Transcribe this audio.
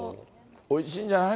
おいしいんじゃない？